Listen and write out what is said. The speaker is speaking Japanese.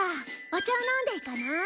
お茶を飲んでいかない？